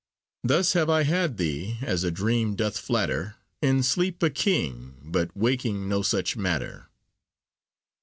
Thus have I had thee, as a dream doth flatter, In sleep a king, but waking no such matter.